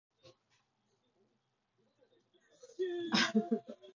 姉は起きるのが遅い